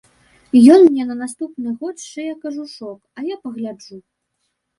Ён мне на наступны год сшые кажушок, а я пагляджу.